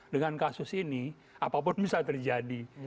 dengan kasus ini apapun bisa terjadi